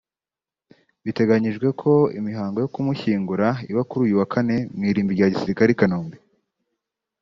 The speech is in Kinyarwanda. Biteganyijwe ko imihango yo kumushyingura iba kuri uyu wa kane mu irimbi rya gisirikare I Kanombe